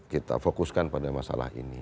kita fokuskan pada masalah ini